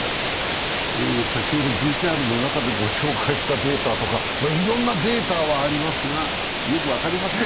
先ほど、ＶＴＲの中でご紹介したデータとかいろいろなデータはありますが、よく分かりません。